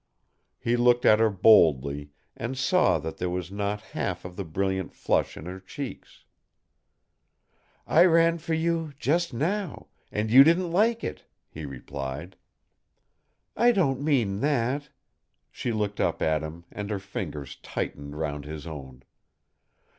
He looked at her boldly, and saw that there was not half of the brilliant flush in her cheeks. "I ran for you, just now and you didn't like it," he replied. "I don't mean that." She looked up at him, and her fingers tightened round his own.